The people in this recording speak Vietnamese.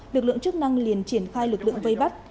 lực lượng chức năng liền triển khai lực lượng vây bắt